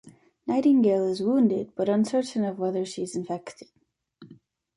Nightingale is wounded but uncertain of whether she's infected.